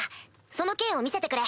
その剣を見せてくれ。